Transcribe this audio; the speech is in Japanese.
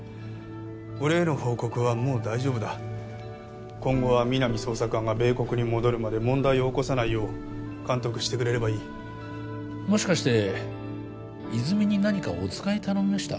俺への報告はもう大丈夫だ今後は皆実捜査官が米国に戻るまで問題を起こさないよう監督してくれればいいもしかして泉に何かお使い頼みました？